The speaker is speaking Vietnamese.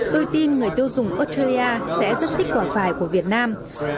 tôi tin người tiêu dùng australia sẽ rất tích quả vải của việt nam